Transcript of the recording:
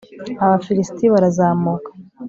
abafilisiti barazamuka